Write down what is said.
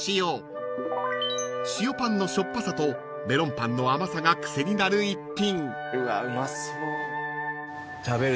［塩パンのしょっぱさとメロンパンの甘さが癖になる逸品］